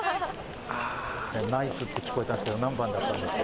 ナイスって聞こえたんですけど、何番だったんですか。